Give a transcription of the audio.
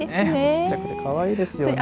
ちっちゃくてかわいいですよね。